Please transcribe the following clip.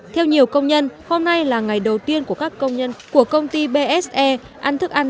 theo nhiều công nhân hôm nay là ngày đầu tiên của các công nhân của công ty bse ăn thức ăn